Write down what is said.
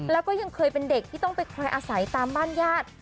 แล้วก็ยังเคยเป็นเด็กที่ต้องไปคอยอาศัยตามบ้านญาติ